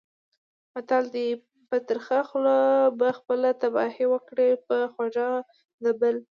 متل دی: په ترخه خوله به خپله تباهي وکړې، په خوږه د بل.